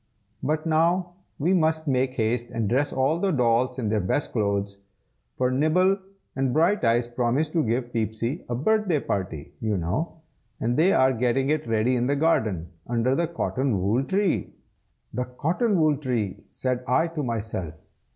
But now we must make haste and dress all the dolls in their best clothes, for Nibble and Brighteyes promised to give Peepsy a birthday party, you know, and they are getting it ready in the garden, under the cotton wool tree." "The cotton wool tree!" said I to myself.